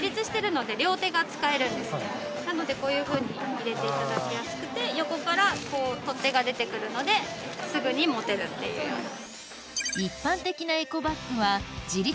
なのでこういうふうに入れていただきやすくて横から取っ手が出てくるのですぐに持てるっていうような。